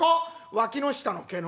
「わきの下の毛の？」。